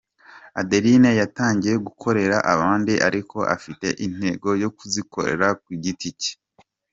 Adeline yatangiye gukorera abandi ariko afite intego yo kuzikorera ku giti cye.